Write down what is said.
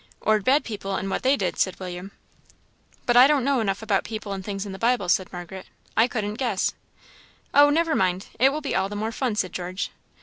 "Or bad people and what they did," said William. "But I don't know enough about people and things in the Bible," said Margaret; "I couldn't guess." "Oh, never mind it will be all the more fun," said George.